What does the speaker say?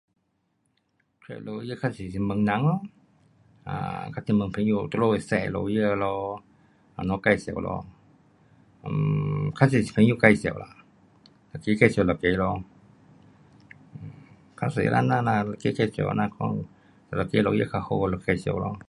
找 lawyer 较多是问人咯，啊，较多问朋友你们会熟的 lawyer 咯，明天介绍咯，呃，较多是朋友介绍啦，齐介绍一个咯，较多这样咯，这这都是这样款，哪一个 lawyer 较好就介绍咯。